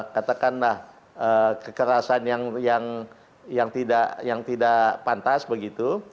katakanlah kekerasan yang tidak pantas begitu